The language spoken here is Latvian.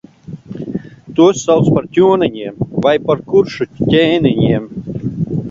Tos sauc par ķoniņiem, vai par kuršu ķēniņiem.